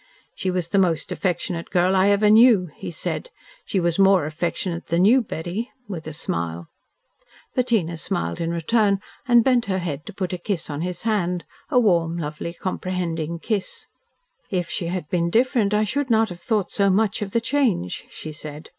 "She was the most affectionate girl I ever knew," he said. "She was more affectionate than you, Betty," with a smile. Bettina smiled in return and bent her head to put a kiss on his hand, a warm, lovely, comprehending kiss. "If she had been different I should not have thought so much of the change," she said.